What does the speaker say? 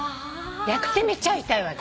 やってみちゃいたいわけよ。